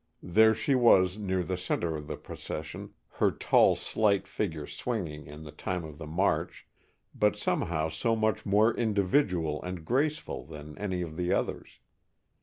There she was, near the center of the procession, her tall, slight figure swinging in the time of the march, but somehow so much more individual and graceful than any of the others!